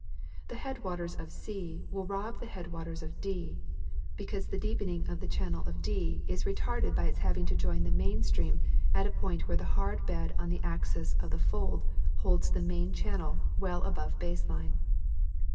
The headwaters of C will rob the headwaters of D, because the deepening of the channel 208 National GeograjpMc Magazine. of D is retarded by its having to join the main stream at a point where the hard bed in the axis of the fold holds the main channel well above baselevel.